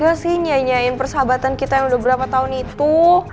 gimana sih nyanyiin persahabatan kita yang udah berapa tahun itu